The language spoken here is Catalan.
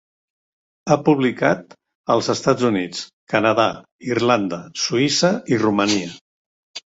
Ha publicat als Estats Units, Canadà, Irlanda, Suïssa i Romania.